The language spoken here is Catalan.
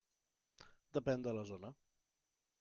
Depèn de la zona.